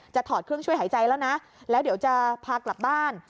ถอดเครื่องช่วยหายใจแล้วนะแล้วเดี๋ยวจะพากลับบ้าน